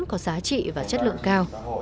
có giá trị và chất lượng cao